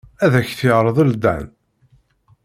Ad ak-t-yerḍel Dan.